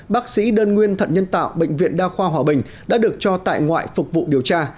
bác sĩ đơn nguyên thận nhân tạo bệnh viện đa khoa hòa bình đã được cho tại ngoại phục vụ điều tra